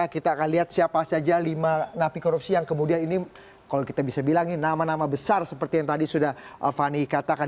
kita akan lihat siapa saja lima napi korupsi yang kemudian ini kalau kita bisa bilangin nama nama besar seperti yang tadi sudah fani katakan